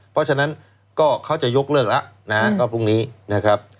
เพราะฉะนั้นก็เขาจะยกเลิกแล้วนะฮะก็พรุ่งนี้นะครับ